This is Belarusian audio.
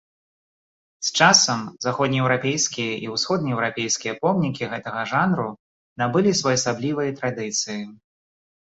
З часам, заходнееўрапейскія і ўсходнееўрапейскія помнікі гэтага жанру набылі своеасаблівыя традыцыі.